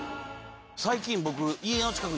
最近僕。